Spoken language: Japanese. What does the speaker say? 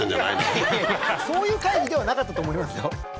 いやいやそういう会議ではなかったと思いますよ